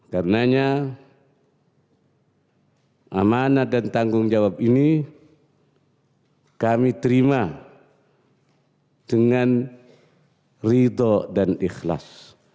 karenanya amanah dan tanggung jawab ini kami terima dengan ridho dan ikhlas